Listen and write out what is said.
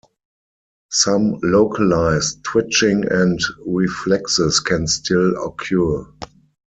Some localized twitching and reflexes can still occur.